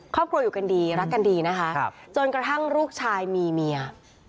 ครอบครัวอยู่กันดีรักกันดีนะคะจนกระทั่งลูกชายมีเมีย